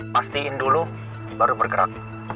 pastiin dulu baru bergerak